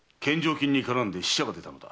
金に絡んで死者が出たのだ。